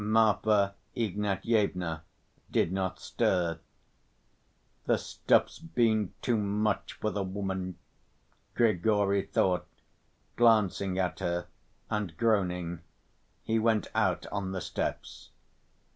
Marfa Ignatyevna did not stir. "The stuff's been too much for the woman," Grigory thought, glancing at her, and groaning, he went out on the steps.